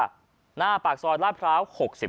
บริเวณปากซอยลาพร้าว๖๙